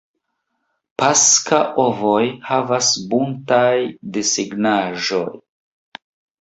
Paska ovoj havas buntaj desegnaĵoj.